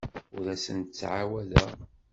Ur asen-d-ttɛawadeɣ.